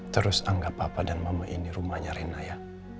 terus anggap papa dan mama ini rumahnya rena ya